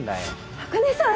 茜さん！